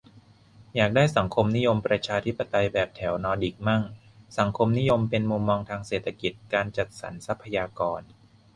อยากได้สังคมนิยมประชาธิปไตยแบบแถวนอร์ดิกมั่ง สังคมนิยมเป็นมุมมองทางเศรษฐกิจ-การจัดสรรทรัพยากร